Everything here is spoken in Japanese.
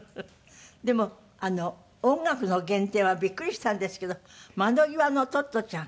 でも音楽の原点はびっくりしたんですけど『窓ぎわのトットちゃん』。